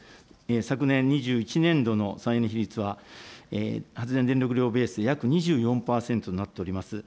昨年・２１年度の再エネ比率は、発電電力量ベースで約２４％になっております。